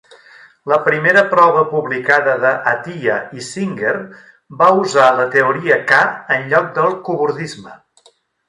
La primera prova publicada de Atiyah i Singer va usar la teoria K en lloc del cobordisme.